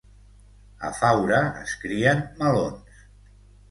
A Faura es crien melons.